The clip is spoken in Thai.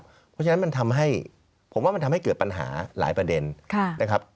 เพราะฉะนั้นมันทำให้ผมว่ามันทำให้เกิดปัญหาหลายประเด็นนะครับ